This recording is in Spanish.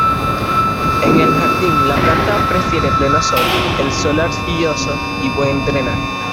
En el jardín, la planta prefiere pleno sol, el suelo arcilloso, y buen drenaje.